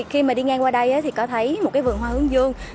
khi đi ngang qua đây có thấy một vườn hoa hướng dương